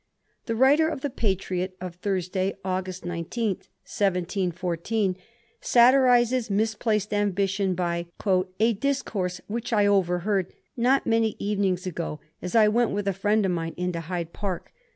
'' The writer of the 'Patriot' of Thursday, August 19, 1714, satirises misplaced ambition by * A dis course which I overheard not many evenings ago as I went with a fiiend of mine into Hyde Park.